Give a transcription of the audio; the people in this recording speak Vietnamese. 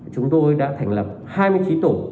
chúng tôi đã thành lập hai mươi chín tổ